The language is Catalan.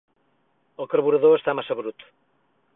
El carburador està massa brut.